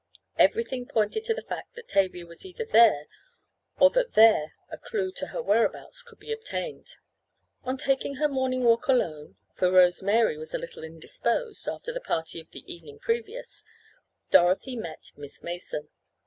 Everything pointed to the fact that Tavia was either there, or that there a clue to her whereabouts could be obtained. On taking her morning walk alone, for Rose Mary was a little indisposed, after the party of the evening previous, Dorothy met Miss Mason.